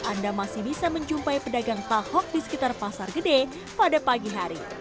anda masih bisa menjumpai pedagang tahok di sekitar pasar gede pada pagi hari